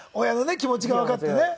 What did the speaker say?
気持ちがわかってね。